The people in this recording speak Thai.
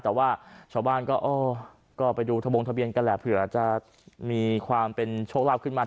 แต่ว่าชาวบ้านก็อ๋อก็ไปดูทะบงทะเบียนกันแหละเผื่อจะมีความเป็นโชคลาภขึ้นมา